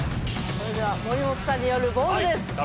それでは森本さんによる「ボール」です。